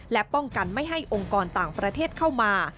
และป้องกันไม่ให้องค์กรต่างประเทศเข้ามา